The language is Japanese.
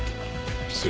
失礼。